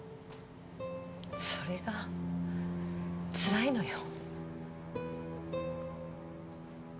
それがつらいのよ。